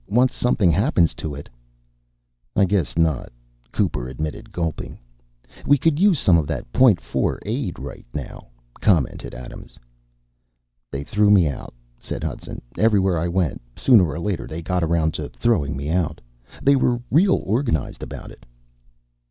Once something happens to it...." "I guess not," Cooper admitted, gulping. "We could use some of that Point Four aid right now," commented Adams. "They threw me out," said Hudson. "Everywhere I went, sooner or later they got around to throwing me out. They were real organized about it."